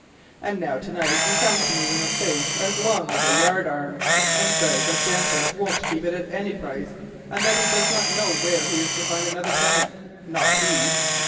And now to night he comes to me with a face as long as a yard arm, and says that Janter won't keep it at any price, and that he does not know where he is to find another tenant, not he.